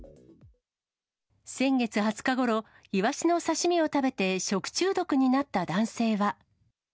先月２０日ごろ、イワシの刺身を食べて食中毒になった男性は。